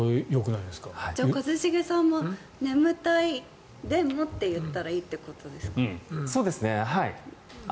じゃあ、一茂さんも眠たい、でもって言ったらいいということですか？